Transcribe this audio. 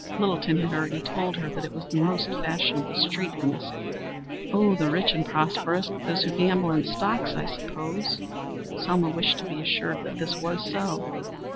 Littleton had already told her that it was the most fashionable street in the city. "Oh, the rich and prosperous." "Those who gamble in stocks, I suppose." Selma wished to be assured that this was so.